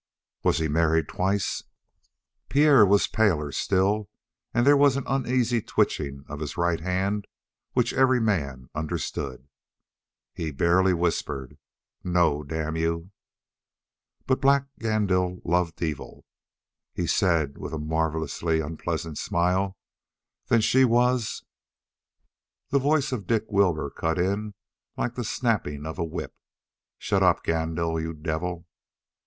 "Was he married twice?" Pierre was paler still, and there was an uneasy twitching of his right hand which every man understood. He barely whispered. "No; damn you!" But Black Gandil loved evil. He said, with a marvelously unpleasant smile: "Then she was " The voice of Dick Wilbur cut in like the snapping of a whip: "Shut up, Gandil, you devil!"